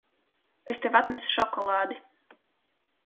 Es tev atnesu šokolādi.